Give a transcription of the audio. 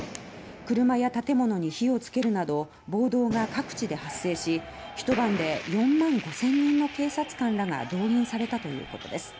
車や建物に火をつけるなど暴動が各地で発生し一晩で４万５０００人の警察官らが導入されたということです。